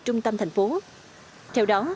trung tâm thành phố theo đó